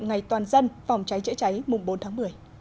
ngày toàn dân phòng cháy chữa cháy mùng bốn tháng một mươi